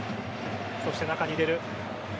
そして、中に入れる。